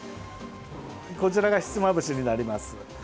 こちらが、ひつまぶしになります。